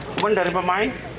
kemudian dari pemain